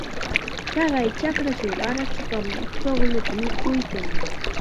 Taqay chakrachaw qarachupam chuqlluta mikuykan.